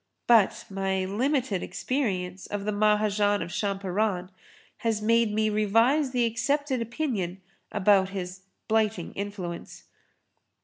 But my limited experience of the Mahajan of Champaran has made me revise the accepted opinion about his 'blighting influence.'